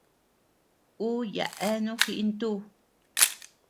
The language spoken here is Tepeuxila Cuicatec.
Ú yaʼa eanu jiʼi ntú.